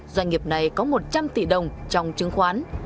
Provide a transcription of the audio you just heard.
doanh nghiệp này có một trăm linh tỷ đồng trong chứng khoán